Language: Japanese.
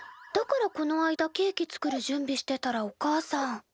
だからこの間ケーキ作る準備してたらおかあさん。